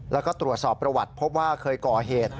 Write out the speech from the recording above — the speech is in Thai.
แล้วก็ตรวจสอบประวัติพบว่าเคยก่อเหตุ